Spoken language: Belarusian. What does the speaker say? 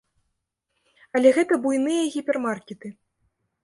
Але гэта буйныя гіпермаркеты.